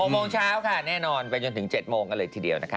โมงเช้าค่ะแน่นอนไปจนถึง๗โมงกันเลยทีเดียวนะคะ